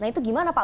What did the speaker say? nah itu gimana pak